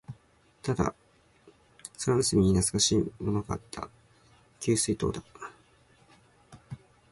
ただ、空の隅に懐かしいものがあった。給水塔だ。